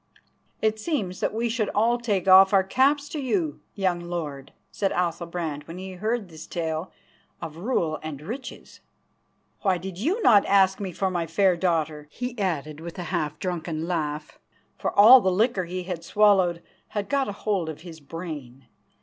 "It seems that we should all take off our caps to you, young lord," said Athalbrand when he heard this tale of rule and riches. "Why did you not ask me for my fair daughter?" he added with a half drunken laugh, for all the liquor he had swallowed had got a hold of his brain.